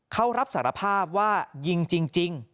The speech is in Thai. เขารับสารภาพว่ายิงจริง